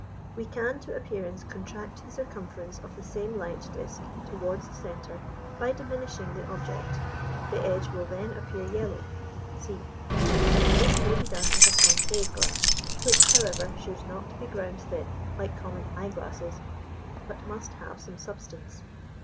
We can, to appearance, contract the circumference of the same light disk towards the centre by diminishing the object; the edge will then appear yellow (C). This may be done with a concave glass, which, however, should not be ground thin like common eye glasses, but must have some substance.